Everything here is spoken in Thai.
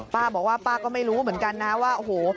ป้าบอกว่าป้าก็ไม่รู้เหมือนกันนะว่าโอ้โห